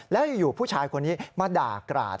แล้วอยู่ผู้ชายคนนี้มาด่ากราด